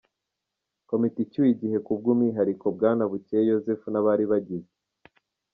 komite icyuye igihe ku bw’umwihariko Bwana Bukeye Yozefu n’abari bagize